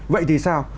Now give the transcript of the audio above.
vậy thì sao